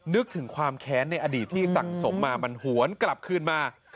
นึกถึงความแค้นในอดีตที่สั่งสมมามันหวนกลับคืนมา